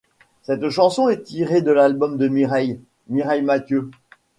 Cette chanson est tirée de l'album de Mireille, Mireille Mathieu.